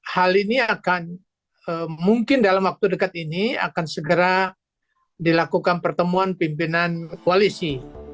hal ini akan mungkin dalam waktu dekat ini akan segera dilakukan pertemuan pimpinan koalisi